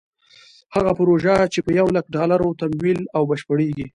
هغه پروژه چې په یو لک ډالرو تمویل او بشپړېږي.